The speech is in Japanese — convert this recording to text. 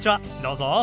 どうぞ。